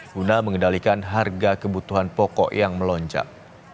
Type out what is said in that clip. guna mengendalikan harga kebutuhan pokok yang melonjak